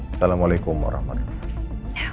assalamualaikum warahmatullahi wabarakatuh